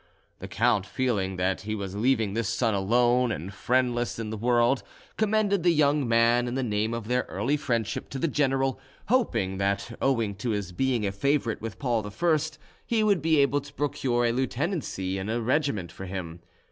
The count feeling that he was leaving this son alone and friendless in the world, commended the young man, in the name of their early friendship, to the general, hoping that, owing to his being a favourite with Paul I, he would be able to procure a lieutenancy in a regiment for him.